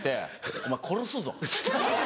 「お前殺すぞ」。